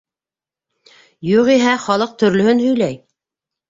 - Юғиһә, халыҡ төрлөһөн һөйләй.